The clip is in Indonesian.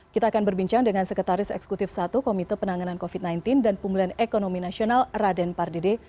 kita akan berbincang dengan sekretaris eksekutif satu komite penanganan covid sembilan belas dan pemulihan ekonomi nasional raden pardede